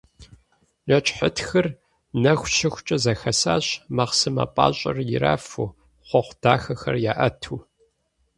Нэчыхьытхыр нэху щыхукӏэ зэхэсащ, мэхъсымэ пӏащӏэр ирафу, хъуэхъу дахэхэр яӏэту.